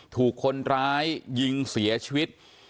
ถูกคนร้ายยิงเสียชีวิต